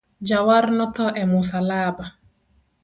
Jawar no tho e musalaba